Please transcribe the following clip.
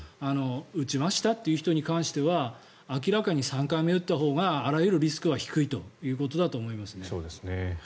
打ちましたという人に関しては明らかに３回目を打ったほうがあらゆるリスクは低いということだと思います。